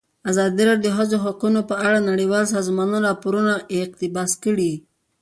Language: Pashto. ازادي راډیو د د ښځو حقونه په اړه د نړیوالو سازمانونو راپورونه اقتباس کړي.